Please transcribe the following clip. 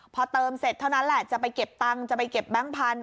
พอเติมเสร็จเท่านั้นแหละจะไปเก็บตังค์จะไปเก็บแบงค์พันธุ